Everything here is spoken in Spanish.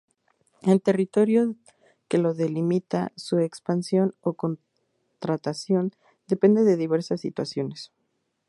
El territorio que lo delimita, su expansión o contratación, depende de diversas situaciones.